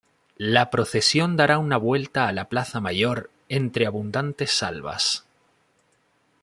La procesión dará una vuelta a la Plaza Mayor entre abundante salvas.